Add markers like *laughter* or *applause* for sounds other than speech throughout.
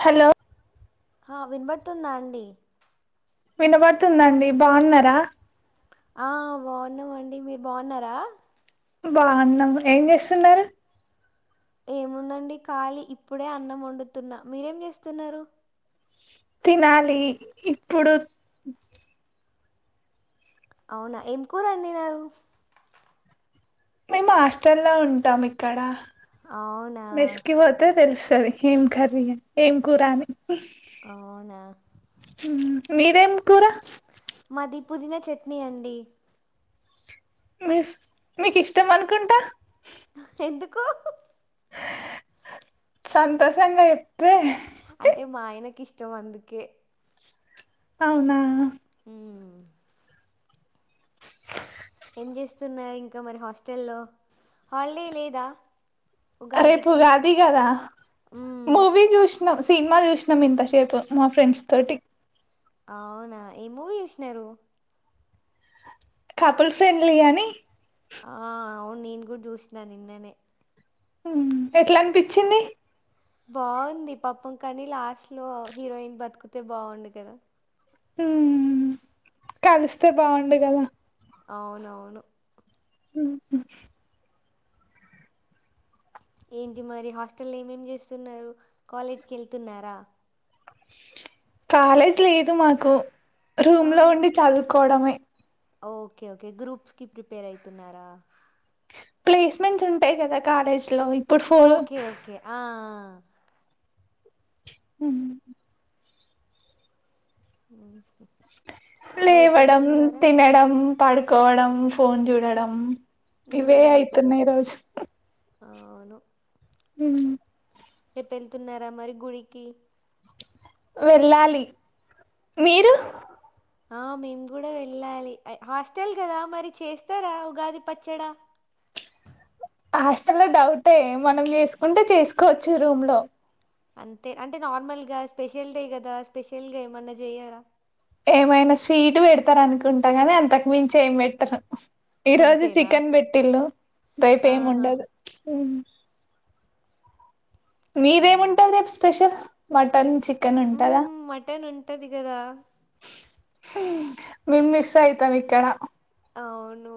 Hello ఆ వినబడుతుందా అండి వినబడుతుందిఅండి బాగున్నారా ఆ బాగున్నామఅండి మీరు బాగున్నారా బాగున్నాం ఏం చేస్తున్నారు ఏముందండి ఖాలీ ఇప్పుడే అన్నం వండుతున్న మీరు ఏంచేస్తున్నరు తినాలి ఇప్పుడు అవునా ఏం కూరండిన్నారు మేము హాస్టల్లో ఉంటాం ఇక్కడ అవునా? మెస్కిపోతే తెలుస్తది ఏం కూర్రి ఏం కురాఅని అవునా? మీది ఏం కూరా పొదినచట్నీ అండి మీఫ్ మీకు ఇష్టం అనుకుంటా ఎందుకు సంతోషంగా చెప్పే అంటే మా ఆయనకి ఇష్టం అందుకే అవునా అ ఏంచేస్ స్తున్నాయి ఇంకా మరి హాస్టల్లో హాలిడే లేదా రేపు ఉగాదికి? ఉగాది కదా హ్మ్. మూవీని చూస్ సినిమా చూసినాం ఇంత సేపు మాఫ్రెండ్స్ తోటి అవునా ఏ మూవీ చుసినారు కాపులు ఫెన్లీఅనీ ఆ అవును నేను కూడా చూసిన నిన్ననే హు ఎట్లా అనిపించింది బాగుంది పాపం కానీ లాస్ట్ లో హీరోయిన్ బతుకితే బాగుండు కదా హు కలిస్తే బాగుండు గదా అవునవును హు ఏంటి మరి హాస్టల్ ఏమేం చేస్తున్నారు కాలేజ్కి వెళ్తున్నారా కాలేజ్ లేదు మాకు ఆ! రూమ్ లో ఉండి చదువుకు కొడమే ఓకే ఓకే గ్రూప్స్ కి ప్రిపేర్ అయితున్నారా ప్లేస్మెంట్స్ ఉంటాయి కదా కాలేజ్ లో ఇప్పుడు ఫో ఓకే. ఓకే. ఆ ఉ హు లేవడం తినడం పడుకోవడం ఫోన్ చూడడం ఇవే హ్మ్. ఆయితున్నాయి రోజు అవును హు రేపు వెళ్తున్నారా మరి గుడికి వెళ్ళాలి మీరు ఆ మేము కూడా వెళ్ళాలి హాస్టల్ కదా మరి చేస్తారా ఉగాది పచ్చడా హాస్టల్ లో డౌటే మనం చేసుకుంటే చేసుకోవచ్చు రూమ్ లో అంతే అంటే నార్మల్ గా స్పెషల్ డే కదా స్పెషల్ గా ఏమన్నా చేయారా. ఏమైనా స్వీట్ పెడతారు అనుకుంటా కదా అంతకు మించి ఏం పెట్టరు. ఈ రోజు అంతేనా చికెన్ పెట్టిల్ళు రేపు ఏమి ఆహా ఉండదు. అవునా మీదేమింటాారు రేపు స్పెషల్ మటన్, చికెన్ ఎక్కన ఉంటారా మ్మ్, మటన్ ఉంటది కదా మిమ్ మిస్ అయితాం ఇక్కడ అవును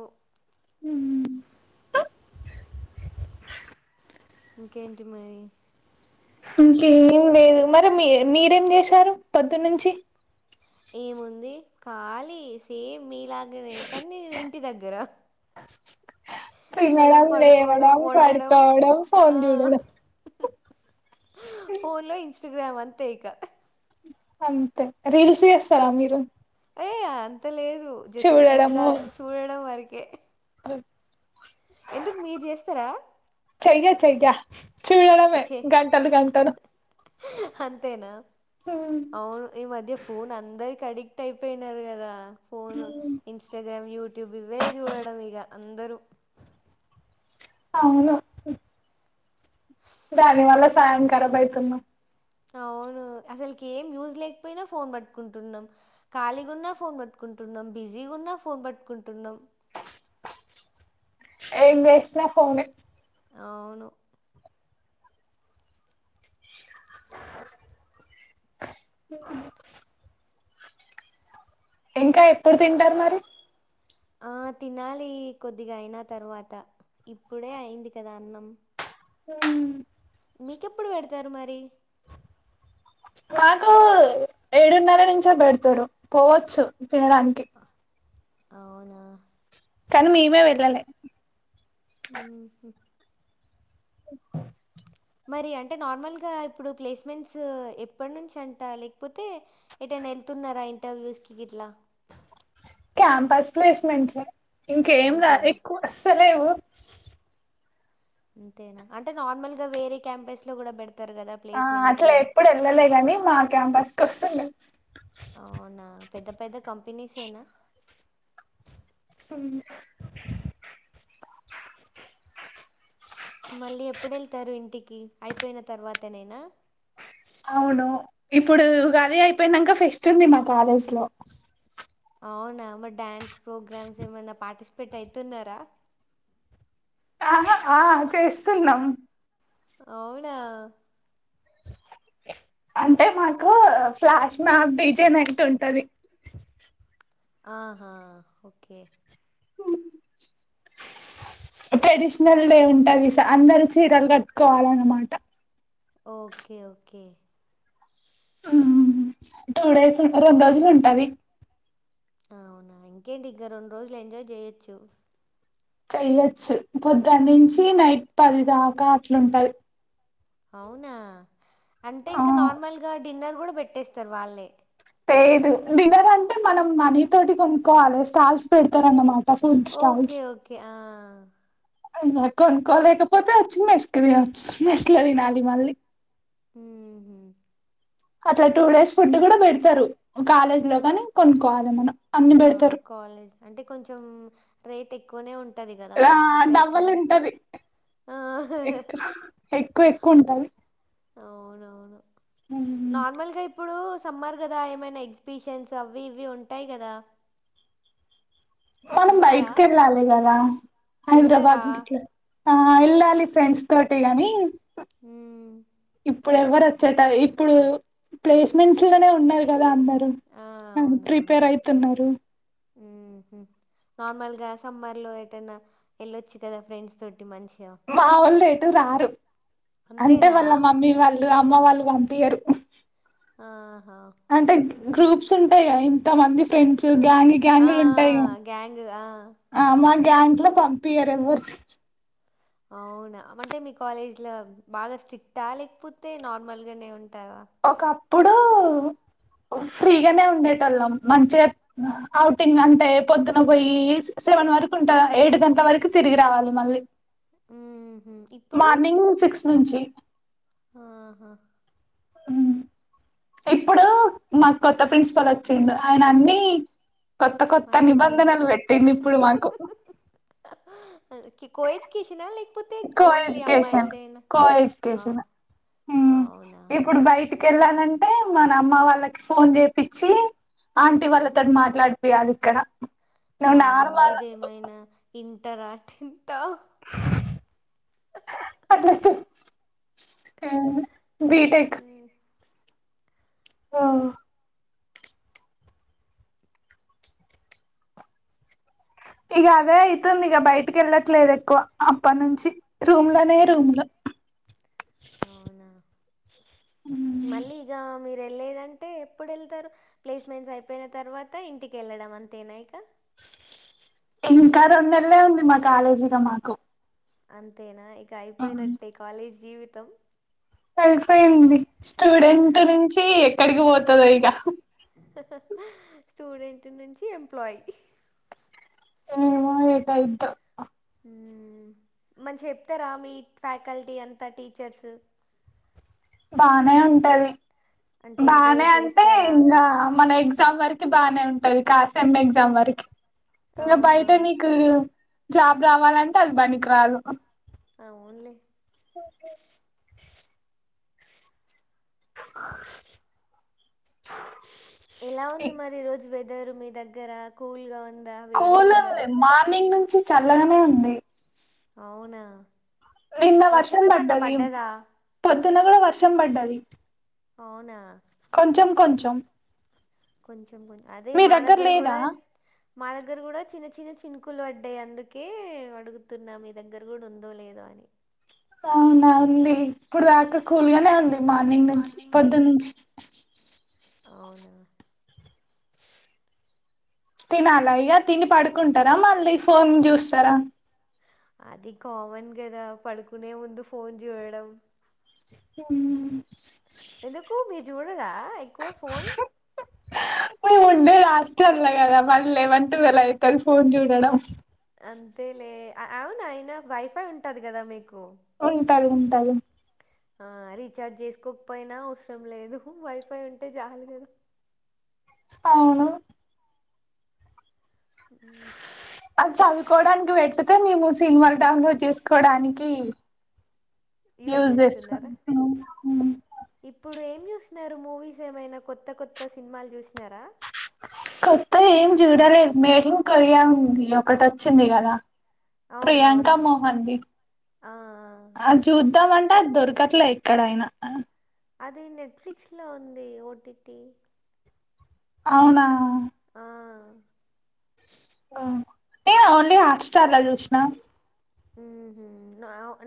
హ ఇంకేంటి మరి ఇంకేం లేదు, మరి మీ మీరేం చేశారు పొద్దున్న నుంచి. ఏము ఉంది ఖాలీ సేమ్ మీలాంటిదే కానీ నేను ఇంటి దగ్గర తినడం, పడుకోవడం, లేవడం వండడం పడుకోవడం ఫోన్ ఆ చూడడం హు హ ఊళ్ళో ఇస్టగ్రామ్ అంతే ఇక. అంతే రీల్స్ చేస్తారా మీరు. ఏయ అంత లేదు. జస్ట్ చూ చూడడము చూడడం వరకు ఎ ఆ ఎందుకు మీరు చేస్తార చెయ్య చెయ్య చూడడమే గంటలు గంటలు అంతేనా అవును ఈ మధ్య ఫోన్ అందరికి అడిక్ట్ అయిపోయినారు కదా. ఫోను, ఇన్స్టాగ్రామ్, యూట్యూబ్ ఇవే చూడడం ఇగ అందరూ. అవును దాని వల్ల సాయం కరబ్ అయితున్నాం. అవును అసలుకి ఏం యూజ్ లేకపోయినా ఫోన్ పట్టుకుంటున్నాం. ఖాళీగా ఉన్నా ఫోన్ పట్టుకుంటున్నాం బిజీగా ఉన్నా ఫోన్ పట్టుకుంటున్నాం. ఏ చేసిన ఫోనే అవును అ *unintelligible* ఇంకా ఎప్పుడు తింటారు మరి. ఆ తినాలి కొద్దిగా అయిన తర్వాత ఇప్పుడే అయింది కదా అన్నం. ఊ *unintelligible* మీకెప్పుడు పెడతారు మరి మాకూ ఏడున్నర నించే పెడతారు పోవచ్చు. తినడానికి అవునా *inaudible* కానీ మేమె వెళ్ళలే మ్మ్ *inaudible* మరి అంటే నార్మల్గా ఇప్పుడు ప్లేస్మెంట్స్. ఎప్పటి నుంచి అంటా, లేకపోతే ఏటైనా వెళ్తున్నారా ఇంటర్వ్యూస్ కి గట్లా. క్యాంపస్ ప్లేస్మెంట్స్ ఇంకేం రాలె అంతేనా? ఎక్కువ వస్తలేవు అంతేనా అంటే నార్మల్ గా వేరే క్యాంపెస్ లో కూడా పెడత ఆ అట్లా ఎప్పుడు వెళ్ళలేదని మా క్యాంపస్ కి వస్తుండు అవునా? పెద్ద పెద్ద కంపెనీస్ ఏనా మ్ మళ్ళీ ఎప్పుడెళ్తారు ఇంటికి అయిపోయిన తర్వాతనైనా అవును ఇప్పుడు ఉగాది అయిపోయినంక ఫెస్ట్ ఉంది మా కాలేజ్ లో అవునా మరి డ్యాన్స్ ప్రోగ్రామ్స్ ఏమైనా పార్టిసిపేట్ అయితున్నారా ఆహా ఆ చేస్తున్నాం అవునా అంటే మాకు flash mob D J night ఉంటది ఆహా ఓకే ట్రెడిషనల్ డే ఉంటది స అందర చీరలు కట్టుకోవాల అన్నమాట ఓకే ఓకే టూ డేస్ ఉన్నదోది రెండు రోజులు ఉంటది అవునా ఇంకేంటి ఇగ రెండు రోజులు ఎంజాయ్ చేయొచ్చు చెయొచ్చు పొద్దన నుంచి హ్మ్. నైట్ పది దాకా అట్లుంటయి అవునా అంటే ఆ ఇంక నార్మల్ గడ్ డిన్నర్ కూడా పెట్టేస్తారు వాళ్ళే తెయిదు డిన్నర్ అంటే మనం మనీ తోటి కొనుక్కోవాలి స్టాల్స్ పెడు తారనమాట ఫూడ్ ఓకే. Stalls okay. ఆ! అంగ కొనుక్కోలేకపోతే వచ్చి మెస్కు తినచ్చు మెస్ లో తినాలి మళ్ళీ ఊహూ అట్లా టూ డేస్ ఫుడ్ కూడా పెడతారు కాలేజ్ లో కాని కొనుక్కోవాలి మనం అన్ని ఆ పెడతారు కాలేజ్ అంటే కొంచెం రేట్ ఎక్కువనే ఉం ఆ డబల్ ఉంటది ఆ! ఎకు ఎక్కువ ఎక్కువ ఉంటది అవునవును నార్మల్గా ఇ ప్పుడు సమ్మర్ కదా ఏమైనా ఎగ్జిబిషన్స్ అవి ఇవి ఉంటాయి కదా మనం బైటికెళ్ళాలి కదా వెళ్ళరా? హైదరాబాద్ గిట్ల ఆ ఎల్లాలి ఫ్రెండ్స్ తోటిగానీ మ్ ఇప్పుడు ఎవ్వరు వచ్చేట ఇప్పుడు ప్లేస్మెంట్స్ లోనే ఉన్నారు కదా అందరు ఆ! అవునవును. ప్రిపేర్ అయితున్నారు నార్మల్గా సమ్మర్ లో ఏటన్నా వెళ్ళొచ్చు కదా ఫ్రెండ్స్ తోటి టి మంచి మా వాళ్ళు రారు అంటే వాళ్ళ మమ్మీ వాళ్ళు అమ్మ వాళ్ళు ప పయరు ఆ అంటే గ్రూప్స్ ఉంటాయా ఇంత మంది ఫ్రెండ్స్ *unintelligible* గ్యాంగి ఆ గ్యాంగులు ఉంటాయి గ్యాంగ్ ఆ ఆమా గ్యాంగ్ లో పంపియ్యారు ఎవరు అవునా అంటే మీ కాలేజీ లో బాగా స్ట్రిక్ట్ ఆ లేకపోతే నార్మల్ గానే ఉం ఒక ఇప్పుడు ఫ్రీగానే వుండెటోల్లమ్ మంచిగా ఔటింగ్ అంటే పొద్దున పోయి సిక్స్ సెవెన్ వరకు ఉంటా ఏడు గంటల వరకు తిరిగి రావాలి మళ్ళీ ఉహు ఇప్పుడు మార్నింగ్ సిక్స్ నుంచి ఆహా ఇప్పుడు మాకు కొత్త ప్రిన్సిపల్ వచ్చిండు ఆయన అన్నీ వచ్చేసిండా మాకు కో ఎడ్యుకేషనా లే కో ఎడ్యుకేషన్ కో ఆ ఎడ్యుకేషన్ హ్మ్ అవునా ఇప్పుడు బయటి కి వెళ్ళాలంటే మన అమ్మ వాళ్ళకి ఫోన్ చేపిచ్చి ఆంటీ వాళ్ళతోని మాట్లాడిపీయాలి ఇక్కడ నువ్వు వామ్మో నార్మల్ ఇదేమైనా ఇంటరా అట్లా బీటెక్ ఆ ఇక అదే అయితుంది ఇక బయటికి వెళ్ళట్లేదు ఎక్కువ అప్ప నుంచి రూమ్ లోనే రూమ్ లో అవునా మళ్ళీ ఇక మీర్ వెళ్ళేదంటే ఎప్పుడు వెళ్తారు ప్లేస్మెంట్స్ అయిపోయిన తర్వాత ఇంటికి వెళ్ళడం అంతేనా యిక ఇంకా రెండు నెలలే ఉంది మా కాలేజీలో మాకు అంతేనా ఇ ఇంక అయిపోయినట్టే కాలేజ్ జీవితం సరిపోయింది స్టూడెంట్ నుంచి ఎక్కడికి పో సరే యీగా స్టూడెంట్ నుంచి ఎంప్లాయ్కి ఏమో ఏటి అయ్యుద్దో మంచి చెప్తారా మీ ఫ్యాకల్టీ అంతా టీచర్స్ బానే ఉంటది అంటే బానే ఎంకరేజ్ అంటే చేస్తారా ఇంకా మన ఎ ఎగ్జామ్ వరకే బాగానే ఉంటది తర్డ్ సేమ్ ఎగ్జామ్ వరకే ఇంక ఆహా బయట నీకు జాబ్ రావాలంటే అది పనికిరాదు ఆవున్లే ఎలా ఉంది మరి ఈ రోజు వెథ్ దర్ మీ దగ్గర కూల్ గా ఉం స్కూల్ మార్నింగ్ నుం చల్లగానే ఉంది అవునా నిన్న వర్షం ఏమన్నా పడ్డది పడ్డదా తునగలో వర్షం పడ్డది అవునా కొంచెం కొంచెం కొంచ కొంచెం అదే మీ దగ్గర మాదగ్గర లేదా కూడా మా దగ్గర కూడా చిన్న చిన్న చినుకులు పడ్డాయి, అందుకే అడుగుతున్నా మీ దగ్గర కూడా ఉందో లేదో అని అవునా ఉంది ఇప్పుడు దాకా కూల్ గానే ఉం మార్నింగ్ నుంచి పొద్దున్నుంచి అవును తిని అలాగే తిని పడుకుంటారా మళ్ళీ ఫోన్ చూస్తారా అది కామన్ కదా పడుకునే ముందు ఫోన్ చూడడం ఉ ఎందుకు మీరు చూడరా ఎక్కువ ఫోన్ నువ్ ఉండేది హాస్టలో కదా మరి లెవన్ ట్వెలవ్ అవుతది ఫోన్ చూడడం అంతే లే అవును అయినా వైఫై ఉంటది కదా మీకు ఉంటది టైం ఆ రీచార్జ్ చేసుకోకపోయినా అవసరం లేదు వైఫై ఉంటే చాలు కదా అవును మ్మ్ అది చదువుకోవడానికి పెట్టితే నేను సినిమాలు డౌన్లోడ్ చేసుకోడానికి యూజ్ యూస్ చేసు చేస్తున్నారా మ్ మ్ ఇప్పుడు ఏం చూసినారు మూవీస్ ఏమైనా కొత్త కొత్త సినిమాలు చూసినారా కొత్త ఏం చూడాలేదు మేడిన్ కొరియా ఉంది ఒకటి వచ్చింది కదా ప్రియాంక అవునవును మోహంది ఆ, ఆ చూద్దాం అం దొరకట్లే ఎక్కడైనా అని అది నెట్ఫిస్ లో ఉంది. ఓటిటి అవునా ఆ ఆ ఓన్లీ హాట్ స్టార్ లా చూసిన ఉ హ్మ్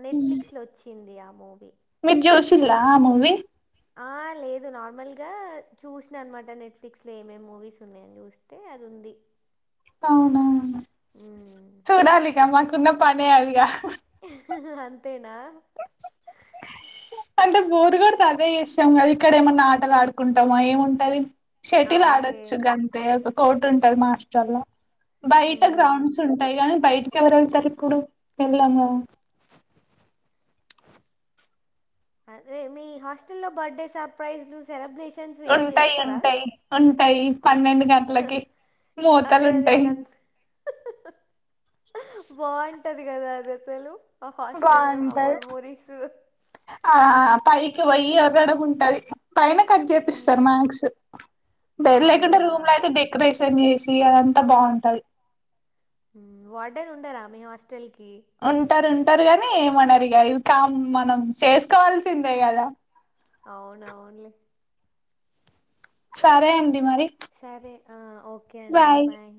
నేటిఫ్లిస్ లో వచ్చింది అ మూవి మీరు జూషిళ్ళ ఆ మూవీ ఆ లేదు నార్మల్గా చూసినా అనమాట నెట్ఫ్లిక్స్ లో ఏమేమి మూవీస్ ఉన్నాయని చూస్తే అది ఉంది. అవునావును మ్మ్. చూడాలిగా మాకు ఉన్న పనే అది గా అంతేనా అంటే బోర్ కొడతాదా చేస్తాం. కదా ఇక్కడ ఏమన్నా ఆటలు ఆడుకుంటామా ఏముంటది. షటిల్ అవునులే ఆడొచ్చు గంతే కోట్ ఉంటాది మా హాస్టల్ లో బయట మ్మ్హ్మ్. గ్రౌండ్స్ ఉంటాయి. కానీ బయట కిందకి ఎవరు వెళ్తారు ఇప్పుడు వెళ్ళము అదే మీ హాస్టల్ లో బర్త్డే సర్ప్రైజ్లు సెలబ్రేషన్ ఉంటాయి ఉంటాయి ఉం ఉంటాయి పన్నెండు గంటలకి అదే మోతలు అదే అదే ఉంటాయి. అదంత బాగుంటది కదా అది అసలు హస్టెల్ లో ఆ బాగుంటది మెమోరీస్ ఆ పైకి వొయ్యి ఒరడము ఉంటాది. పైన కట్ ఉమ్ చేపిస్తారు. మాథ్స్ బెల్ లేకుండా అవునా రూమ్ లో అయితే డెకరేషన్ డెకరేషన్ చేసి అదంతా బాగుంటది. తెల్కి ఉంటారు ఉంటారు కానీ ఏమనారు. ఇగా ఇది కామన్ మనం చేసుకోవాల్సిందే కదా అవునవునులే సరే అండి మరి సరే ఆ ఓకే అండి బాయ్